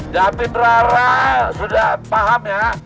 david rara sudah paham ya